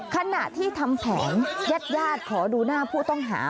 ขณะที่ทำแผนญาติญาติขอดูหน้าผู้ต้องหา